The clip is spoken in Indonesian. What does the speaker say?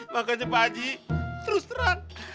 makanya pak aji terus teran